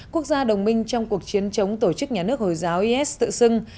quốc gia đồng minh trong cuộc chiến chống tổ chức nhà nước hồi giáo is tự xưng